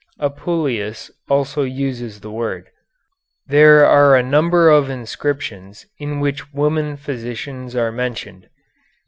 Apuleius also uses the word. There are a number of inscriptions in which women physicians are mentioned.